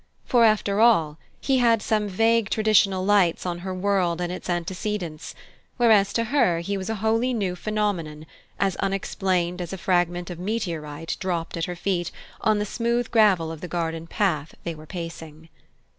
For, after all, he had some vague traditional lights on her world and its antecedents; whereas to her he was a wholly new phenomenon, as unexplained as a fragment of meteorite dropped at her feet on the smooth gravel of the garden path they were pacing.